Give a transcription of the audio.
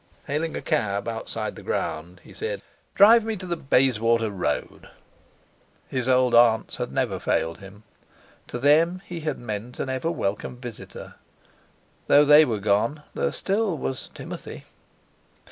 Hailing a cab outside the ground, he said: "Drive me to the Bayswater Road." His old aunts had never failed him. To them he had meant an ever welcome visitor. Though they were gone, there, still, was Timothy!